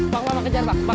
bang bang kejar bang